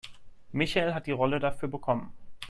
Michael hat die Rolle dafür bekommen.